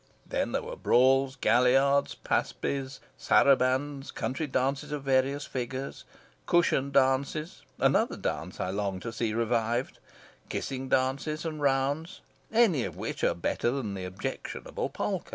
Then there were brawls, galliards, paspys, sarabands, country dances of various figures, cushion dances (another dance I long to see revived), kissing dances, and rounds, any of which are better than the objectionable polka.